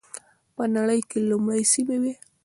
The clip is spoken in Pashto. په نړۍ کې لومړنۍ سیمې وې.